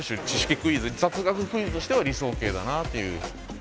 クイズ雑学クイズとしては理想形だなあっていう。